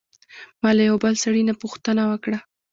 ما له یوه بل سړي نه غوښتنه وکړه.